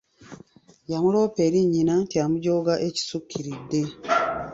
Yamuloopa eri nnyina nti amujooga ekisukkiridde.